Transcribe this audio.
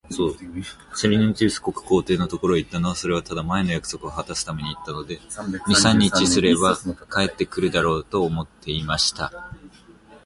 ブレフスキュ国皇帝のところへ行ったのは、それはただ、前の約束をはたすために行ったので、二三日すれば帰って来るだろう、と思っていました。